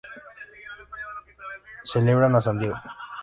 Celebran a San Diego.